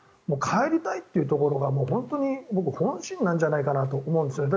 帰りたいというところが本当に本心なんじゃないかと思うんです。